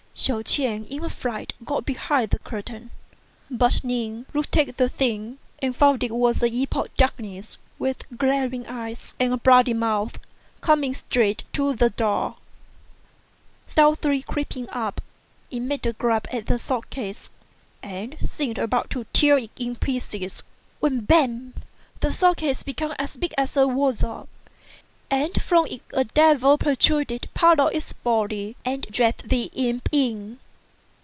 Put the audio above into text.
Hsiao ch'ien in a fright got behind the curtain; but Ning looked at the thing, and fou id it was an imp of darkness, with glaring eyes and a b'oody mouth, coming straight to the door. Stealthily creeping up it made a grab at the sword case, and seemed about to tear it in pieces, when bang! the sword case became as big as a wardrobe, and from it a devil protruded part of his body and dragged the imp in.